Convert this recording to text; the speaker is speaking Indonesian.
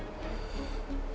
dia juga cemas om